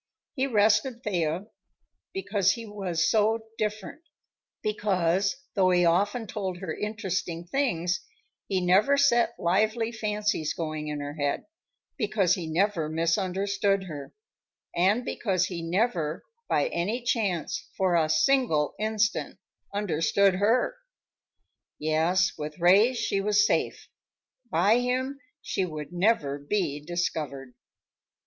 He rested Thea because he was so different; because, though he often told her interesting things, he never set lively fancies going in her head; because he never misunderstood her, and because he never, by any chance, for a single instant, understood her! Yes, with Ray she was safe; by him she would never be discovered!